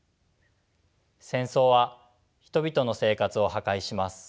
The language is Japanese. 戦争は人々の生活を破壊します。